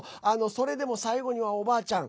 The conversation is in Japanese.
それでも最後には、おばあちゃん